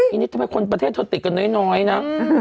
ทีนี้ทำไมคนประเทศเธอติดกันน้อยนะ